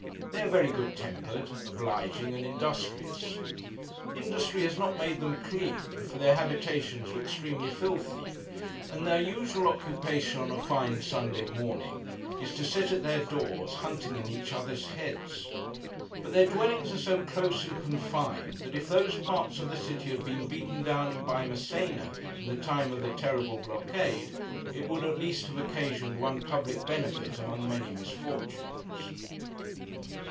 They are very good tempered, obliging, and industrious. Industry has not made them clean, for their habitations are extremely filthy, and their usual occupation on a fine Sunday morning, is to sit at their doors, hunting in each other's heads. But their dwellings are so close and confined that if those parts of the city had been beaten down by Massena in the time of the terrible Blockade, it would have at least occasioned one public benefit among many misfortunes.